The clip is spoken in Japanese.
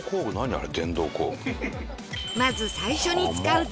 あれ。